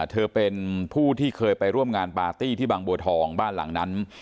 เธอเป็นผู้ที่เคยไปร่วมงานปาร์ตี้ที่บางบัวทองบ้านหลังนั้น